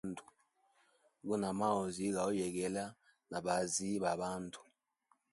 Guna maozi gauyegela na baazi ba bandu.